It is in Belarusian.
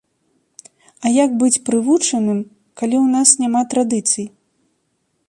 А як быць прывучаным, калі ў нас няма традыцый?